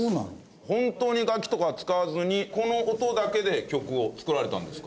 本当に楽器とかは使わずにこの音だけで曲を作られたんですか？